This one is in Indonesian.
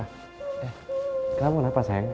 eh kenapa kenapa sayang